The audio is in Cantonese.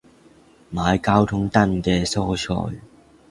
買交通燈嘅蔬菜